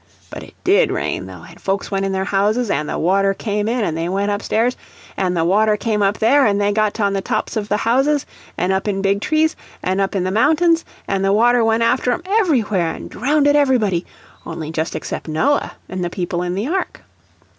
But it DID rain though, an' folks went in their houses, an' the water came in, an' they went up stairs, an' the water came up there, an' they got on the tops of the houses, an' up in big trees, an' up in mountains, an' the water went after 'em everywhere an' drownded everybody, only just except Noah and the people in the ark.